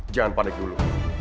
jangan pandek dulu